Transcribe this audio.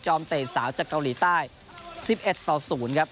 เตะสาวจากเกาหลีใต้๑๑ต่อ๐ครับ